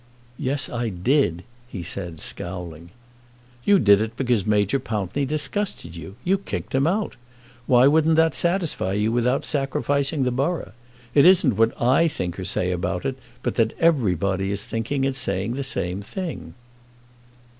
"Yes, I did," he said, scowling. "You did it because Major Pountney disgusted you. You kicked him out. Why wouldn't that satisfy you without sacrificing the borough? It isn't what I think or say about it, but that everybody is thinking and saying the same thing."